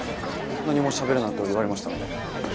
何もしゃべるなと言われましたので。